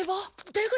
出口？